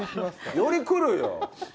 よりくるよ。